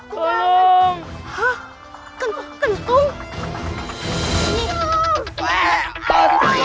hai tolong hah tentu tentu